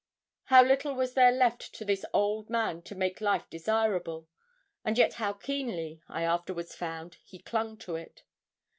How little was there left to this old man to make life desirable, and yet how keenly, I afterwards found, he clung to it.